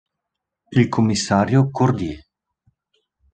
Il commissario Cordier